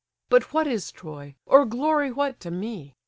But what is Troy, or glory what to me?